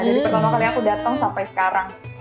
dari pertama kali aku datang sampai sekarang